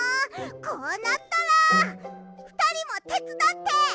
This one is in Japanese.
こうなったらふたりもてつだって！